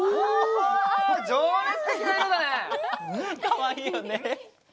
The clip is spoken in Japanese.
かわいいよね。